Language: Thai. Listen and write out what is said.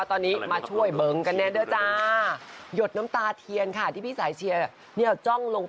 ตอนเราเห็นเป็นเลขหนึ่งไทยข้างบน